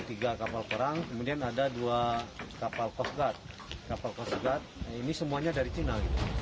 tiga kapal perang kemudian ada dua kapal coast guard kapal coast guard ini semuanya dari cina